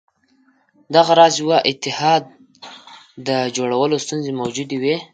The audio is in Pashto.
دغه راز یوه اتحاد د جوړولو ستونزې موجودې وې.